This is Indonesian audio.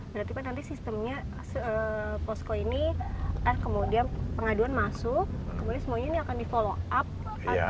berarti pak nanti sistemnya posko ini kemudian pengaduan masuk kemudian semuanya ini akan di follow up